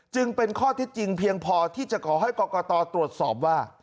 จึงเป็นข้อเท็จจริงเพียงพอที่จะขอให้กรกตตรวจสอบว่า